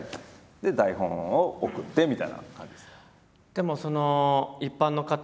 で台本を送ってみたいな感じですね。